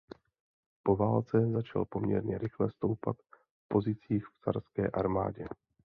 Po válce začal poměrně rychle stoupat v pozicích v carské armádě.